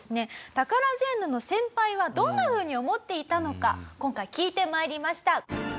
タカラジェンヌの先輩はどんなふうに思っていたのか今回聞いて参りました。